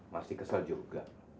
masih kesel juga